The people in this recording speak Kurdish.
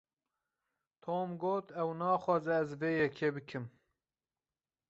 Tom got ew naxwaze ez vê yekê bikim.